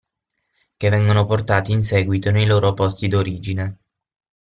Che vengono portati in seguito nei loro posti d'origine.